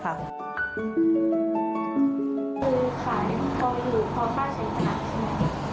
คือขายพอหรือพอค่าใช้ขนาดใช่ไหม